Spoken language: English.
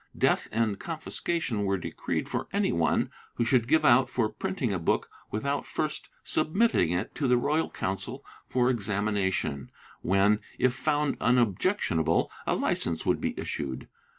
Death and confiscation were decreed for any one who should give out for printing a book without first submitting it to the Royal Council for examination when, if found unobjectionable, a licence would be issued.